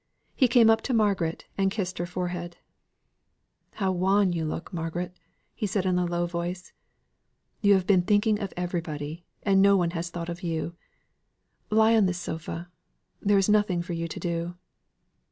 He came up to Margaret, and kissed her forehead. "How wan you look, Margaret!" said he in a low voice. "You have been thinking of everybody, and no one has thought of you. Lie on this sofa there is nothing for you to do."